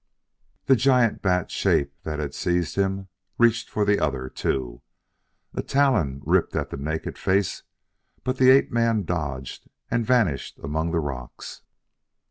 The giant bat shape that had seized him reached for the other, too. A talon ripped at the naked face, but the ape man dodged and vanished among the rocks.